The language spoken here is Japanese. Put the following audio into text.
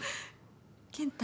健太。